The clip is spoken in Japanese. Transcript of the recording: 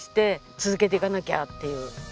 続けていかなきゃっていう。